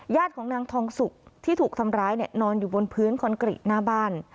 ญาติของนางทองศุกร์ที่ถูกทำร้ายนอนอยู่บนพื้นคอนกรีตหน้าบ้าน